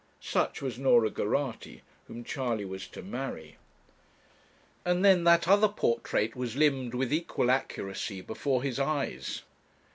Such was Norah Geraghty, whom Charley was to marry. And then that other portrait was limned with equal accuracy before his eyes.